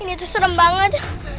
ini tuh serem banget